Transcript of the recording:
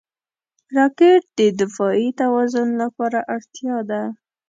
راکټ د دفاعي توازن لپاره اړتیا ده